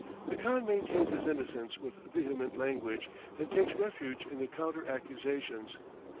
The khan maintains his innocence with vehement language and takes refuge in counter accusations.